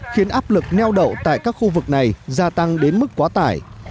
khiến áp lực neo đậu tại các khu vực này gia tăng đến mức quá tải